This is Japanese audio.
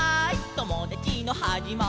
ともだちのはじまりは」